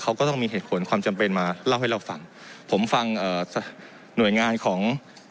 เขาก็ต้องมีเหตุผลความจำเป็นมาเล่าให้เราฟังผมฟังเอ่อหน่วยงานของ